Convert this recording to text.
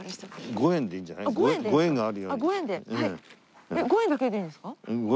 ５円でいいんじゃないですか？